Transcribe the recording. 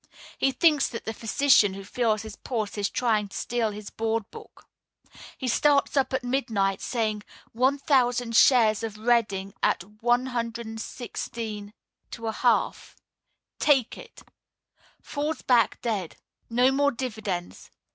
He thinks that the physician who feels his pulse is trying to steal his "board book." He starts up at midnight, saying: "One thousand shares of Reading at 116 1/2. Take it!" _Falls back dead. No more dividends....